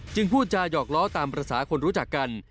พูดจาหยอกล้อตามภาษาคนรู้จักกัน